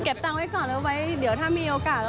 ตังค์ไว้ก่อนแล้วไว้เดี๋ยวถ้ามีโอกาส